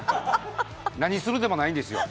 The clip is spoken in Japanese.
何するでもないんですよ。